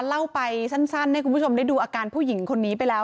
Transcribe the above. เล่าไปสั้นให้คุณผู้ชมได้ดูอาการผู้หญิงคนนี้ไปแล้ว